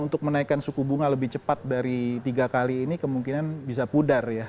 untuk menaikkan suku bunga lebih cepat dari tiga kali ini kemungkinan bisa pudar ya